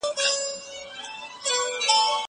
زه اجازه لرم چي مېوې وچوم!!